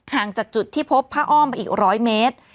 จากจุดที่พบผ้าอ้อมไปอีก๑๐๐เมตร